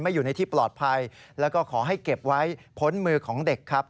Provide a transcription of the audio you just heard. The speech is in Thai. อยู่ในที่ปลอดภัยแล้วก็ขอให้เก็บไว้พ้นมือของเด็กครับ